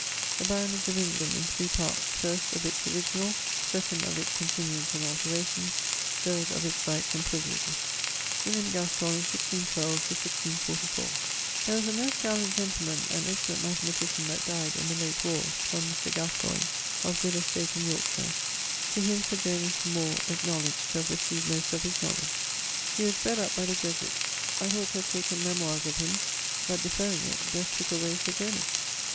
The Baronage of England in III parts: 1ˢᵗ, of its original; 2ᵈ, of its continuance and alteration; 3ᵈ, of its rights and privilidges. =William Gascoigne= (1612? 1644). There was a most gallant gentleman and excellent mathematician that dyed in the late warres, one Mr. Gascoigne, of good estate in Yorkshire; to whom Sir Jonas Moore acknowledged to have received most of his knowledge. He was bred up by the Jesuites. I thought to have taken memoires of him; but deferring it, death took away Sir Jonas.